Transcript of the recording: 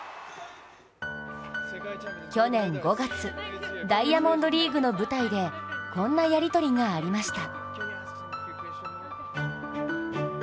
去年５月、ダイヤモンドリーグの舞台でこんなやり取りがありました。